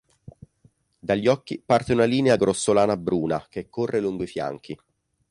Dagli occhi parte una linea grossolana bruna, che corre lungo i fianchi.